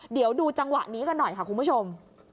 เดี๋ยวดูจังหวะนี้กันหน่อยค่ะคุณผู้ชม